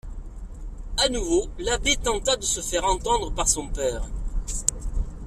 A nouveau l'abbé tenta de se faire entendre par son père.